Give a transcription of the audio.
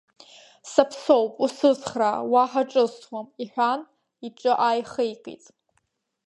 Ссаԥсоуп, усыцхраа, уаҳа ҿысҭуам, — иҳәан иҿы ааихеикит.